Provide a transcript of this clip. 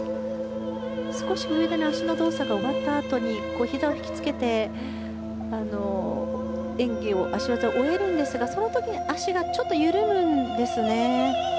少し足の動作が終わったあとにひざを引きつけて脚技を終えるんですがその時に脚がちょっと緩むんですよね。